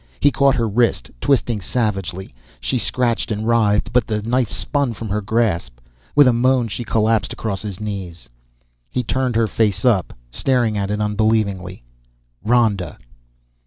He caught her wrist, twisting savagely. She scratched and writhed, but the knife spun from her grasp. With a moan, she collapsed across his knees. He turned her face up, staring at it unbelievingly. "Ronda!"